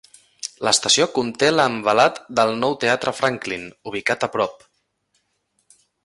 L'estació conté l'envelat del nou teatre Franklin, ubicat a prop.